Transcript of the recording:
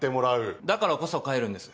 だからこそ帰るんです。